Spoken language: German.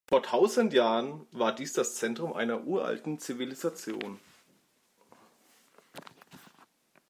Vor tausend Jahren war dies das Zentrum einer uralten Zivilisation.